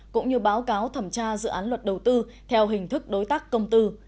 cũng như báo cáo thẩm tra dự án luật đầu tư theo hình thức đối tác công tư